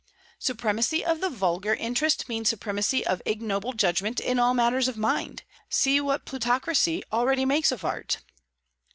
"Supremacy of the vulgar interest means supremacy of ignoble judgment in all matters of mind. See what plutocracy already makes of art!"